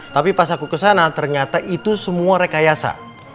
tapi pas aku kesana ternyata itu semua rekayasa